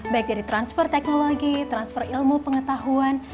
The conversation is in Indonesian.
baik dari transfer teknologi transfer ilmu pengetahuan